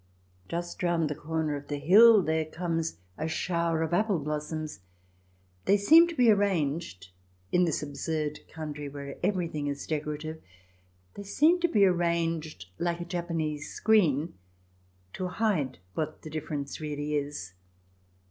Just round the corner of the hill there comes a shower of apple blossoms. They seem to be arranged, in this absurd country where everything is decorative — they seem to be arranged like a Japanese screen, to hide what the difference really is.